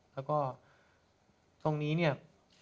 แล้วก็ตรงนี้เนี่ย